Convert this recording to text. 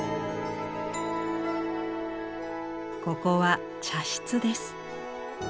ここは茶室です。